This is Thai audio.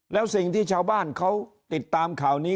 แล้วสิ่งที่ชาวบ้านเขาติดตามข่าวนี้